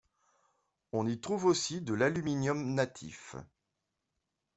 On y trouve aussi de l'aluminium natif.